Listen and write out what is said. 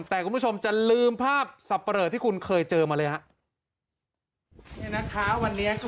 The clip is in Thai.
แต่คุณผู้ชมจะลืมภาพสับปะเหลือที่คุณเคยเจอมาเลยฮะนี่นะคะวันนี้ก็